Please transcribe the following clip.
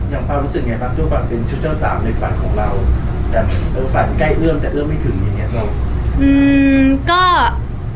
ความรู้สึกไงครับด้วยความเป็นชุดเจ้าสาวในฝันของเราแต่ฝันใกล้เอื้อมแต่เอื้อมไม่ถึงอย่างเงี้ย